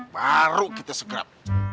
baru kita segerap